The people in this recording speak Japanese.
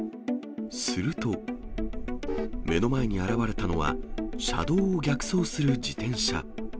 すると、目の前に現れたのは、車道を逆走する自転車。